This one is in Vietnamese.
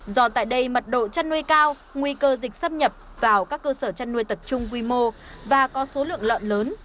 do tại đây mật độ chăn nuôi cao nguy cơ dịch xâm nhập vào các cơ sở chăn nuôi tập trung quy mô và có số lượng lợn lớn